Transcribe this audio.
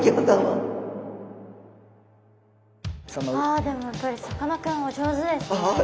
あでもやっぱりさかなクンお上手ですね。